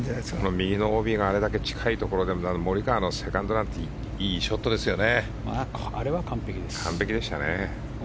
右のＯＢがあれだけ近いとモリカワのセカンドなんていいショットですね。